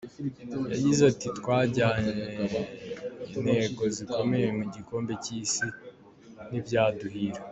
Yagize ati “ Twajyanye intego zikomeye mu gikombe cy’Isi ntibyaduhira.